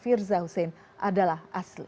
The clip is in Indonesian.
firza husein adalah asli